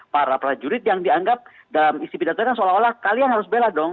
para prajurit yang dianggap dalam istibidatnya seolah olah kalian harus bela dong